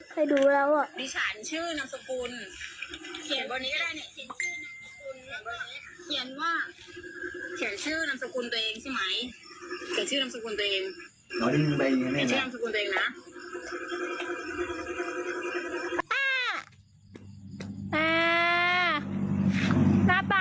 ให้ดูแล้วอ่ะ